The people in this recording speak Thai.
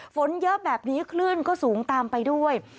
ฝนเยอะแบบนี้คลื่นก็สูงตามไปด้วย